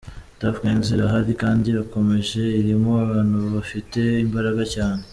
Tuff gangs irahari kandi irakomeje irimo abantu bafite mbaraga cyane.